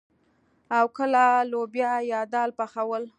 او کله لوبيا يا دال پخول.